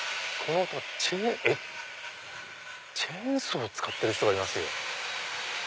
えっ⁉チェーンソー使ってる人がいますよ。